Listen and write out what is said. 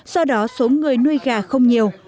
do đó số người nuôi gà không nhiều